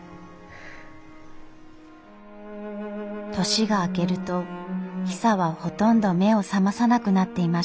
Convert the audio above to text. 年が明けるとヒサはほとんど目を覚まさなくなっていました。